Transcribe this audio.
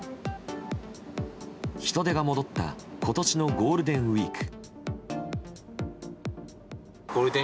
人出が戻った今年のゴールデンウィーク。